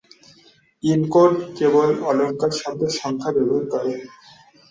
Unicode কেবল অলংকৃত শব্দ "সংখ্যা" ব্যবহার করে।